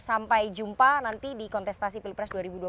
sampai jumpa nanti di kontestasi pilpres dua ribu dua puluh empat